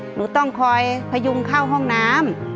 หนูต้องคอยพยุงเข้าห้องน้ำ